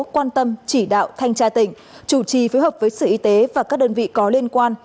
quan tâm chỉ đạo thanh tra tỉnh chủ trì phối hợp với sở y tế và các đơn vị có liên quan